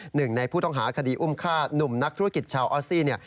หนึ่งในผู้ต้องหาคดีอุ้มฆ่านุ่มนักธุรกิจชาวออสซี่